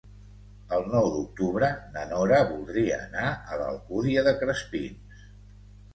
El nou d'octubre na Nora voldria anar a l'Alcúdia de Crespins.